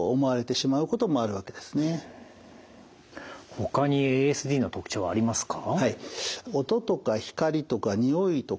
ほかにＡＳＤの特徴はありますか？